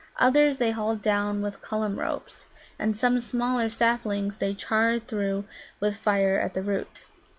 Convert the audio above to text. Others they hauled down with Cullum ropes, and some smaller saplings they charred through with fire at the root.